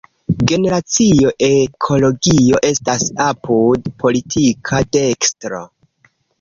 Generacio Ekologio estas apud politika dekstro.